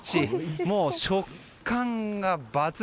もう食感が抜群。